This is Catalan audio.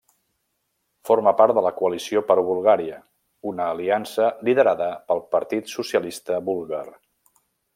Forma part de la Coalició per Bulgària, una aliança liderada pel Partit Socialista Búlgar.